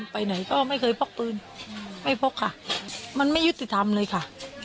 ไปไหนก็ไม่เคยพกปืนไม่พกค่ะมันไม่ยุติธรรมเลยค่ะ